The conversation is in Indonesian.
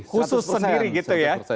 khusus sendiri gitu ya